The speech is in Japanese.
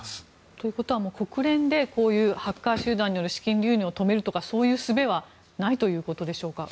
ということは国連でハッカー集団による資金流入を止めるとかそういうすべはないということでしょうか。